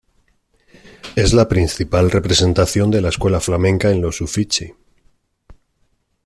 Es la principal representación de la escuela flamenca en los Uffizi.